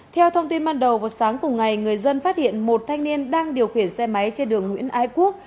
theo thông tin ban đầu vào sáng cùng ngày người dân phát hiện một thanh niên đang điều khiển xe máy trên đường nguyễn ái quốc